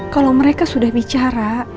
kalau mereka sudah bicara